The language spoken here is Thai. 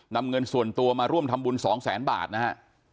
นำเงินส่วนตัวมาร่วมทำบุญสองแสนบาทนะฮะ